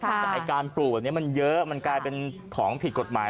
แต่ไอ้การปลูกแบบนี้มันเยอะมันกลายเป็นของผิดกฎหมาย